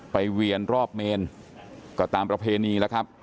เวียนรอบเมนก็ตามประเพณีแล้วครับ